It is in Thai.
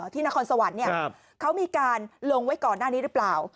นครสวรรค์เขามีการลงไว้ก่อนหน้านี้หรือเปล่า